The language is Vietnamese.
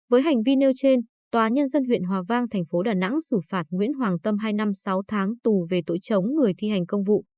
với hành vi nêu trên tòa nhân dân huyện hòa vang thành phố đà nẵng xử phạt nguyễn hoàng tâm hai năm sáu tháng tù về tội chống người thi hành công vụ